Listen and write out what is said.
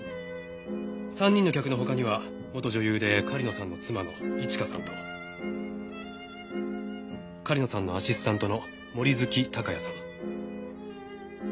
３人の客の他には元女優で狩野さんの妻の市香さんと狩野さんのアシスタントの森月孝也さん。